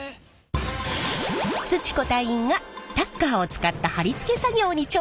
すち子隊員がタッカーを使った張り付け作業に挑戦！